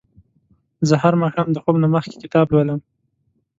زه هر ماښام د خوب نه مخکې کتاب لولم.